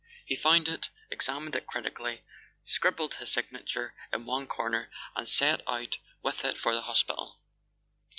He found it, examined it critically, scribbled his signature in one corner, and set out with it for the hospital.